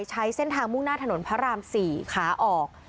ใช้เส้นทางมุ่งหน้าถนนพระราม๔ขาออก